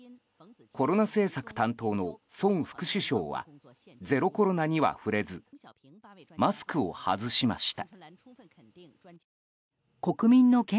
コロナ政策担当のソン・シュンラン副首相はゼロコロナには触れずマスクを外しました。